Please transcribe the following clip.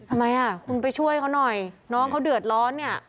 ทำไมอ่ะคุณไปช่วยเขาหน่อยน้องเขาเดือดร้อนเนี่ย